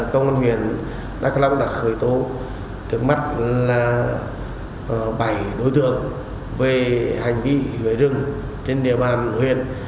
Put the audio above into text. công an huyện đắk long đã khởi tố trước mắt là bảy đối tượng về hành vi gửi rừng trên địa bàn huyện